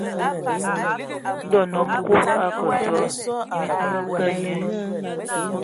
Ndɔ nnom Kub a kǝ sɔ, mis mǝ kǝǝ nye a.